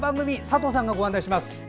佐藤さんがご案内します。